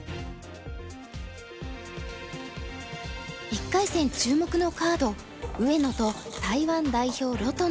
１回戦注目のカード上野と台湾代表盧との一戦。